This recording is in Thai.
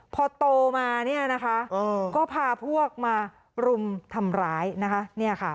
พอโตมาเนี่ยนะคะก็พาพวกมารุมทำร้ายนะคะ